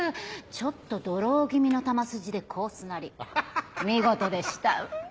ちょっとドロー気味の球筋でコースなり見事でした！